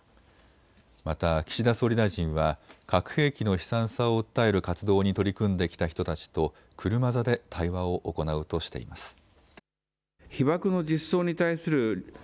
また岸田総理大臣は核兵器の悲惨さを訴える活動に取り組んできた人たちと車座で対話を行うとしています。